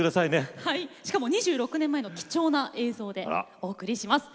しかも２６年前の貴重な映像でお送りします。